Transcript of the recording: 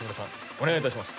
お願いいたします。